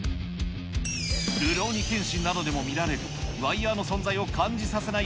るろうに剣心などでも見られるワイヤーの存在を感じさせない